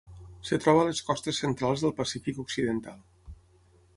Es troba a les costes centrals del Pacífic Occidental.